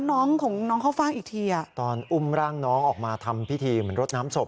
น้องของน้องเข้าฟ่างอีกทีอ่ะตอนอุ้มร่างน้องออกมาทำพิธีเหมือนรถน้ำศพ